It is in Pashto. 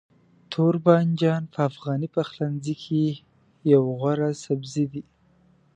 توربانجان په افغاني پخلنځي کې یو غوره سبزی دی.